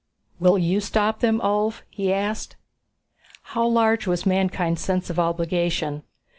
"Will you stop them, Ulv?" he asked. How large was mankind's sense of obligation?